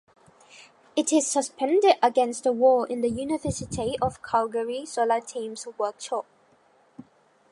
It is suspended against a wall in the University of Calgary Solar Team's workshop.